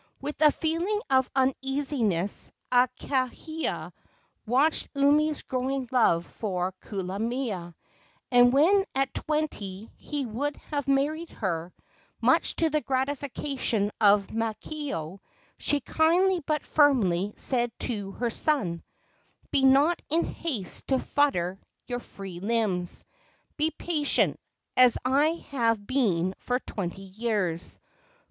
With a feeling of uneasiness Akahia watched Umi's growing love for Kulamea, and when at twenty he would have married her, much to the gratification of Maakao, she kindly but firmly said to her son: "Be not in haste to fetter your free limbs. Be patient, as I have been for twenty years.